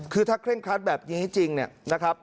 คือถ้าเคร่งครัดแบบนี้จริงเนี่ยนะครับ